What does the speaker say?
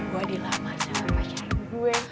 gua dilamar sama pakar gue